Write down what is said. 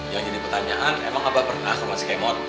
yang jadi pertanyaan emang abah pernah sama si kemot